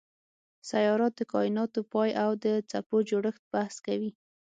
سیارات د کایناتو پای او د څپو جوړښت بحث کوي.